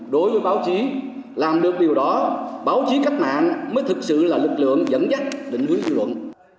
đối với báo chí làm được điều đó báo chí cách mạng mới thực sự là lực lượng dẫn dắt định hướng dư luận